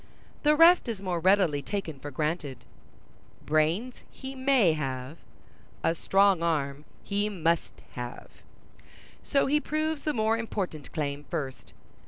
The rest is more readily taken for granted. Brains he may have—a strong arm he must have: so he proves the more important claim first.